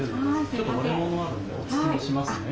ちょっと割れものもあるのでお包みしますね。